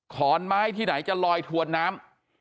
ขอนไม้ที่ไหนจะลอยถวนน้ำ